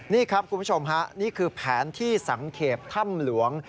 นี่ครับคุณผู้ชมฮะนี่คือแผนที่สังเกตถ้ำหลวง